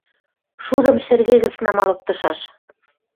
Шудым шӹргӹ гӹц намалыктышаш.